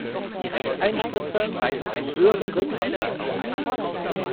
Direkteinspritzer weisen einen höheren Wirkungsgrad auf.